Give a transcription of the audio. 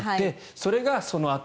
それがそのあと